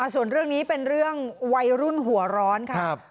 ส่วนเรื่องนี้เป็นเรื่องวัยรุ่นหัวร้อนค่ะ